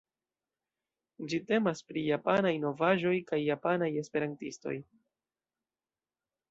Ĝi temas pri Japanaj novaĵoj kaj japanaj esperantistoj.